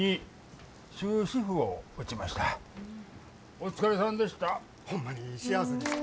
お疲れさんでした。